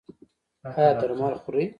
ایا درمل خورئ؟